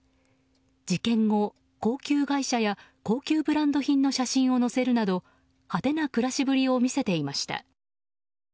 事件後、高級外車や高級ブランド品の写真を載せるなど、派手な暮らしぶりを見せていました。